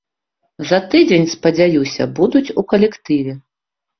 За тыдзень, спадзяюся, будуць у калектыве.